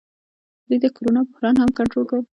دوی د کرونا بحران هم کنټرول کړ.